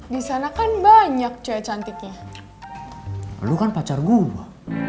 disana kan banyak cewek cantiknya lu kan pacar gua